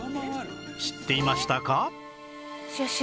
知っていましたか？